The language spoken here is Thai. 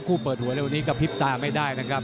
คู่เปิดหัวในวันนี้กระพริบตาไม่ได้นะครับ